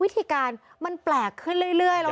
วิธีการมันแปลกขึ้นเรื่อย